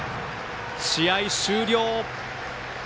試合終了！